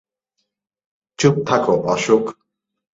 চুপ থাকো, অশোক।